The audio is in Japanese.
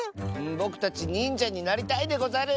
ぼくたちにんじゃになりたいでござる！